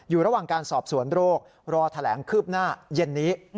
อยู่ระหว่างการสอบสวนโรครอแถลงคืบหน้าเย็นนี้